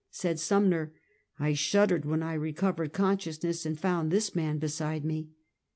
Said Sumner: " I shuddered when I recovered consciousness, and found this man beside me."